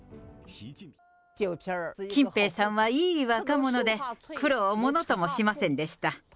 近平さんはいい若者で、苦労をものともしませんでした。